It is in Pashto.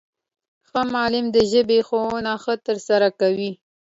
ښه معلم د ژبي ښوونه ښه ترسره کوي.